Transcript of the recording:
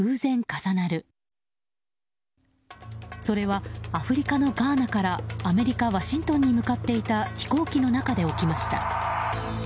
それはアフリカのガーナからアメリカ・ワシントンに向かっていた飛行機の中で起きました。